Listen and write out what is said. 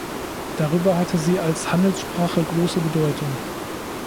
Darüber hatte sie als Handelssprache große Bedeutung.